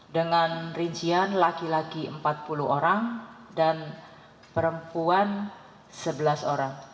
dengan rincian laki laki empat puluh orang dan perempuan sebelas orang